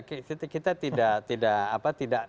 dan tidak kita tidak tidak apa tidak